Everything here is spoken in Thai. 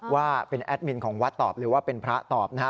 ว่าเป็นแอดมินของวัดตอบหรือว่าเป็นพระตอบนะฮะ